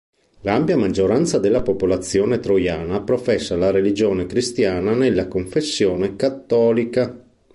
La ampia maggioranza della popolazione troiana professa la religione cristiana nella confessione cattolica.